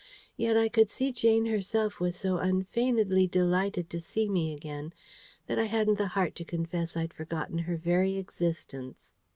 Yet I could see Jane herself was so unfeignedly delighted to see me again, that I hadn't the heart to confess I'd forgotten her very existence.